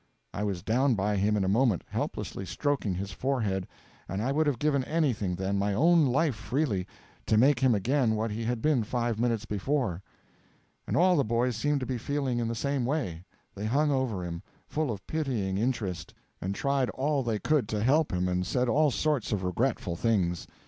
I was down by him in a moment, helplessly stroking his forehead; and I would have given anything then my own life freely to make him again what he had been five minutes before. And all the boys seemed to be feeling in the same way; they hung over him, full of pitying interest, and tried all they could to help him, and said all sorts of regretful things.